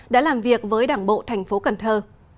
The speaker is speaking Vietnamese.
đã làm việc với đảng bộ thành phố cần thơ